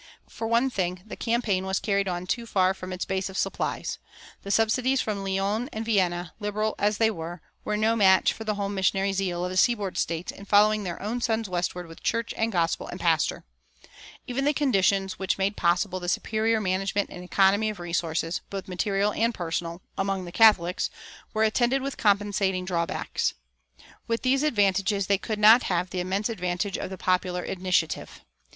For one thing, the campaign was carried on too far from its base of supplies. The subsidies from Lyons and Vienna, liberal as they were, were no match for the home missionary zeal of the seaboard States in following their own sons westward with church and gospel and pastor. Even the conditions which made possible the superior management and economy of resources, both material and personal, among the Catholics, were attended with compensating drawbacks. With these advantages they could not have the immense advantage of the popular initiative.